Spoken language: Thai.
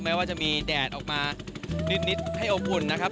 แม้ว่าจะมีแดดออกมานิดให้อบอุ่นนะครับ